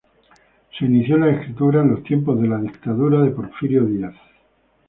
Se inició en la escritura en los tiempos de la dictadura de Porfirio Díaz.